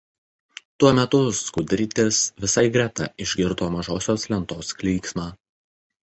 Tuo metu Skudritis visai greta išgirdo mažosios Lentos klyksmą.